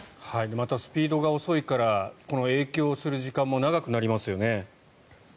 またスピードが遅いからこの影響する時間も長くなりますよね。